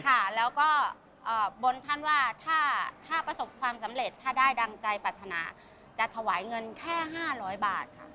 ค่ะแล้วก็บนท่านว่าถ้าประสบความสำเร็จถ้าได้ดังใจปรัฐนาจะถวายเงินแค่๕๐๐บาทค่ะ